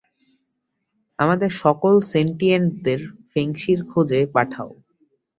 আমাদের সকল সেন্টিয়েন্টদের ফেংশির খোঁজে পাঠাও।